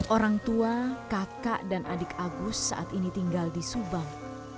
orang tua kakak dan adik agus saat ini tinggal di subang